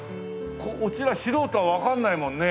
うちら素人はわかんないもんね。